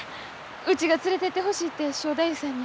うちが連れてってほしいって正太夫さんに。